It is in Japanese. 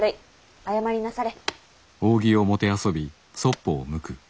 謝りなされ。